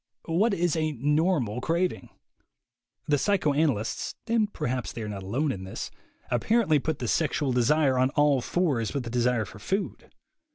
What is a "normal" craving? The psy choanalysts (and perhaps they are not alone in this) apparently put the sexual desire on all fours with the desire for food.